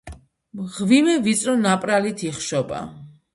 მღვიმე ვიწრო ნაპრალით იხშობა.